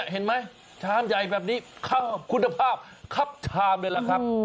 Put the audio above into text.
เห็นไหมชามใหญ่แบบนี้คุณภาพครับชามเลยล่ะครับ